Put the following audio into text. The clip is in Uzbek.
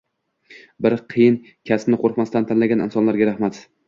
Bu qiyin kasbni qo'rqmasdan tanlagan insonlarga rahmat